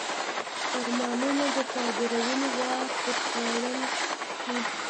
فرمانونو د صادرولو واک ورکړل شي.